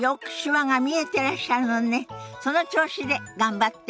その調子で頑張って。